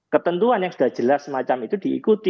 ketentuan yang sudah jelas semacam itu diikuti